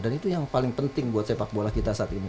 dan itu yang paling penting buat sepak bola kita saat ini